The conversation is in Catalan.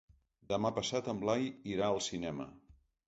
Demà passat en Blai irà al cinema.